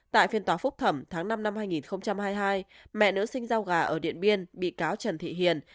tại phiên tòa phúc thẩm tháng năm năm hai nghìn hai mươi hai mẹ nữ sinh giao gà ở điện biên bị cáo trần thị hiền